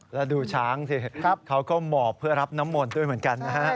แล้วดูช้างสิเขาก็หมอบเพื่อรับน้ำมนต์ด้วยเหมือนกันนะฮะ